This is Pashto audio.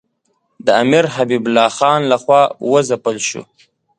د امیر حبیب الله خان له خوا وځپل شو.